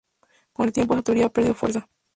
Con el tiempo esta teoría ha perdido fuerza.